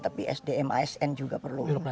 tapi sdm asn juga perlu